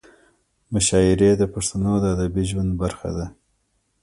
مشاعرې د پښتنو د ادبي ژوند برخه ده.